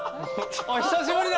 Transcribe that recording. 久しぶりだ。